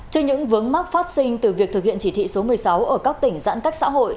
trên những vướng mắc phát sinh từ việc thực hiện chỉ thị số một mươi sáu ở các tỉnh giãn cách xã hội